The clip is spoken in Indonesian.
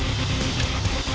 mas ini dia mas